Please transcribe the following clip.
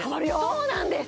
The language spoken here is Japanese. そうなんです